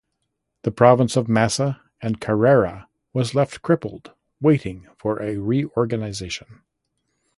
The province of Massa and Carrara was left crippled, waiting for a reorganization.